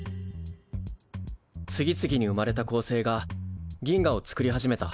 次々に生まれた恒星が銀河をつくり始めた。